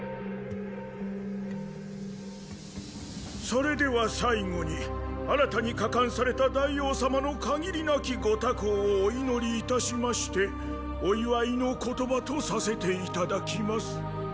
それでは最後に新たに加冠された大王様の限りなきご多幸をお祈り致しましてお祝いの言葉とさせて頂きます。